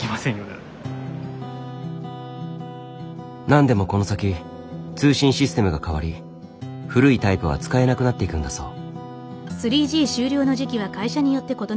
なんでもこの先通信システムがかわり古いタイプは使えなくなっていくんだそう。